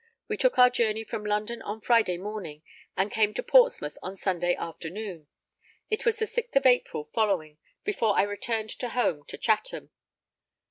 We took our journey from London on Friday morning, and came to Portsmouth on Sunday afternoon. It was the 6th of April following before I returned to home to Chatham.